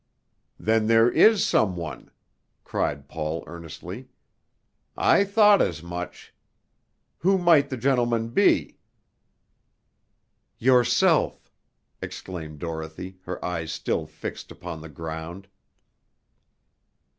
"Then there is some one," cried Paul earnestly. "I thought as much. Who might the gentleman be?" "Yourself!" exclaimed Dorothy, her eyes still fixed upon the ground.